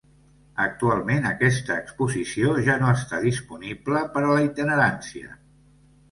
Actualment aquesta exposició ja no està disponible per a la itinerància.